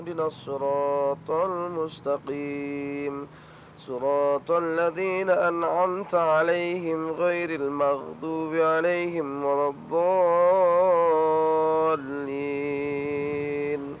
dina suratul mustaqim suratul ladzina an'amta alaihim ghairil maghdubi alaihim waladzallin